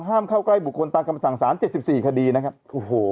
ห้ามเข้าใกล้บุคคลตามคำสั่งสารเจ็ดสิบสี่คดีนะครับโอ้โห